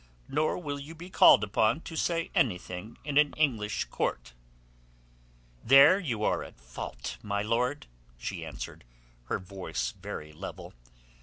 Nor will you be called upon to say anything in an English court." "There you are at fault, my lord," she answered, her voice very level.